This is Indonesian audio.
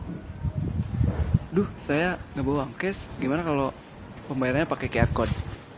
aduh saya yang pathz gimana kalau pem difféact